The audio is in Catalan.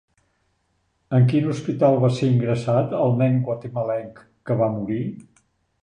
En quin hospital va ser ingressat el nen guatemalenc que va morir?